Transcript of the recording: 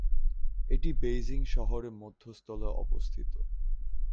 এটি বেইজিং শহরের মধ্যস্থলে অবস্থিত।